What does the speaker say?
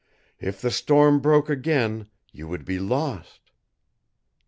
"If the storm broke again, you would be lost."